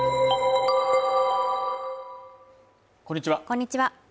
こんにちは